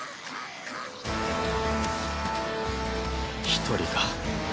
一人か。